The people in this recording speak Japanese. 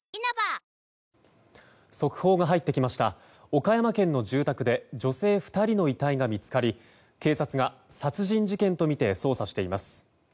岡山県の住宅で女性２人の遺体が見つかり警察が殺人事件とみて捜査しています。